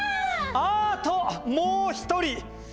あともう１人！